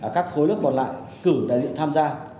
các khối lớp còn lại cử đại diện tham gia